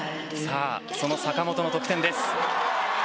坂本の得点です。